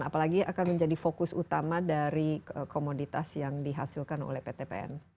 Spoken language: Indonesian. apalagi akan menjadi fokus utama dari komoditas yang dihasilkan oleh pt pn